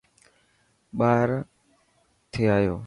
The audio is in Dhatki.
ٻاهران ٿي آيو.